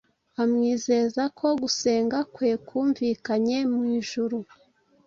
amwizeza ko gusenga kwe kumvikanye mu ijuru.